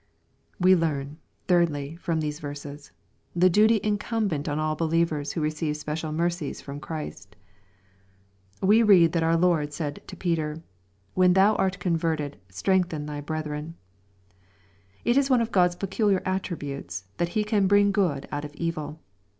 We learn, thirdly, from these verses, the duty incumbent on all believers who receive special mercies from Christ, We read that our Lord said to Peter, " When thou art converted streno^then thv brethren." It is one of God's peculiar attributes, that He can bring good out of evil.